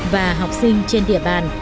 và học sinh trên địa bàn